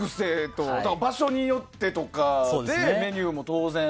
だから場所によってとかでメニューも当然。